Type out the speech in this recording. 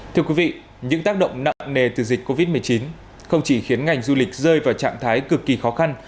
thưa quý vị những tác động nặng nề từ dịch covid một mươi chín không chỉ khiến ngành du lịch rơi vào trạng thái cực kỳ khó khăn